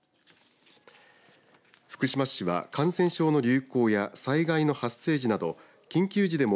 福島市は感染症の流行や災害の発生時など緊急時でも